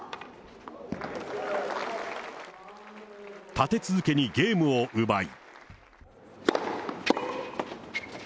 立て続けにゲームを奪い。